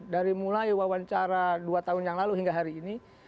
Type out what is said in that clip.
dari mulai wawancara dua tahun yang lalu hingga hari ini